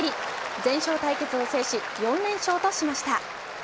全勝対決を制し４連勝としました。